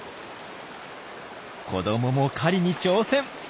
子どもも狩りに挑戦！